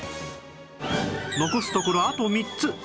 残すところあと３つ